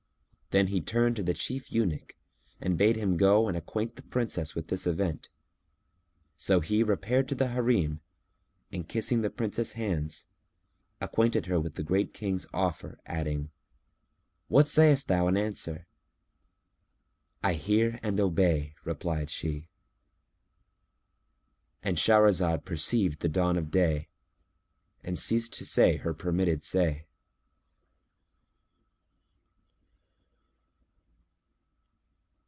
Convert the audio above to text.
Then he turned to the chief eunuch and bade him go and acquaint the Princess with the event. So he repaired to the Harim and, kissing the Princess's hands, acquainted her with the Great King's offer adding, "What sayest thou in answer?" "I hear and I obey," replied she.——And Shahrazad perceived the dawn of day and ceased to say her permitted say.